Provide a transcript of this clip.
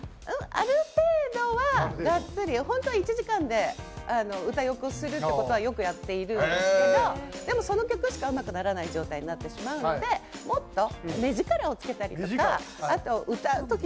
ある程度はがっつり本当はいつもは１時間で歌えるようになるとかってよくやっているんですけど、でも、その曲しかうまくならない状態になってしまうのでもっと目力をつけたりとか歌うとき